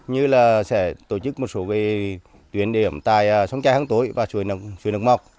như là sẽ tổ chức một số tuyến điểm tại sông chai hàng tối và sùi nước mọc